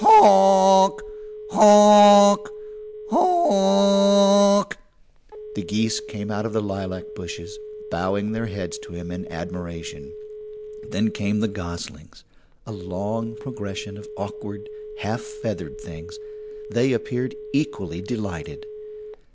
"Honk! honk! honk!" The geese came out of the lilac bushes, bowing their heads to him in admiration. Then came the goslings a long procession of awkward, half feathered things; they appeared equally delighted.